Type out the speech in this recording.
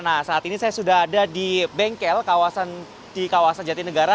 nah saat ini saya sudah ada di bengkel di kawasan jatinegara